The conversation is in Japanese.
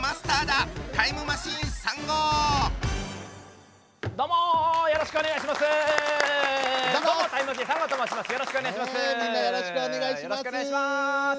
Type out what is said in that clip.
みんなよろしくお願いします。